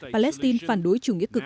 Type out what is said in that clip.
palestine phản đối chủ nghĩa cực